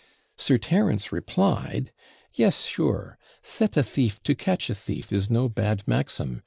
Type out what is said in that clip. Sir Terence replied, "Yes, sure; set a thief to catch a thief is no bad maxim.